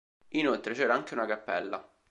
Inoltre c'era anche una cappella.